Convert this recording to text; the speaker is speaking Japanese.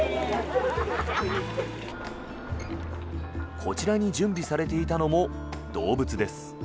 こちらに準備されていたのも動物です。